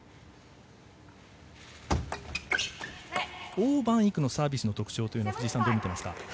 オウ・マンイクのサービスの特徴は藤井さん、どう見ていますか？